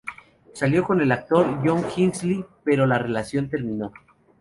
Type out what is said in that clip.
Salió con el actor Jon Hensley, pero la relación terminó.